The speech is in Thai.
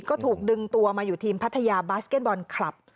ก็ถูกดึงตัวมาอยู่ทีมพัทยาบาสเก็ตบอลคลับ